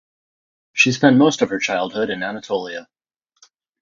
She spent most of her childhood in Anatolia.